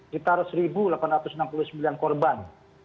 sekitar satu delapan ratus enam puluh sembilan korban